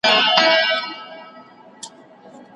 تر بل ډنډ پوري مي ځان سوای رسولای